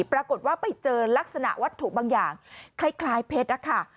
ปรากฏว่าไปเจอลักษณะวัตถุบางอย่างคล้ายเพชรนะคะ